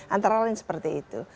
antara lain seperti itu